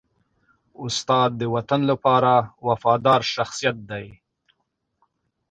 استاد د وطن لپاره وفادار شخصیت دی.